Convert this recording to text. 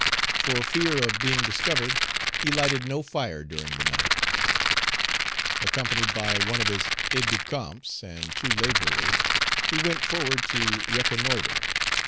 For fear of being discovered, he lighted no fire during the night. Accompanied by one of his aide de camps and two laborers, he went forward to reconnoitre.